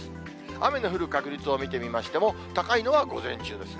雨の降る確率を見てみましても、高いのは午前中ですね。